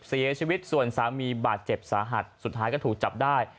เสียชีวิตส่วนสามีบาดเจ็บสาหัสสุดท้ายก็ถูกจับได้